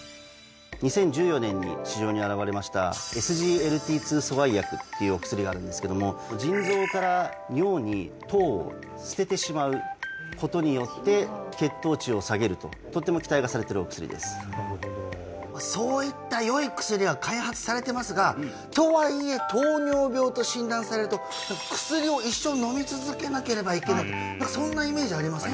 ２０１４年に市場に現れましたっていうお薬があるんですけども腎臓から尿に糖を捨ててしまうことによって血糖値を下げるととっても期待がされてるお薬ですそういったよい薬が開発されてますがとはいえ糖尿病と診断されると薬を一生飲み続けなければいけないそんなイメージありません？